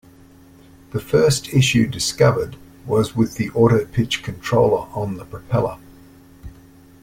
The first issue discovered, was with the auto-pitch controller on the propeller.